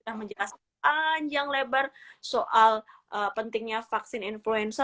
kita menjelaskan yang lebar soal pentingnya vaksin influenza